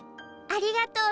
ありがとう。